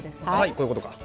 こういうことか。